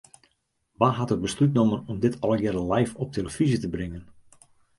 Wa hat it beslút nommen om dit allegearre live op 'e telefyzje te bringen?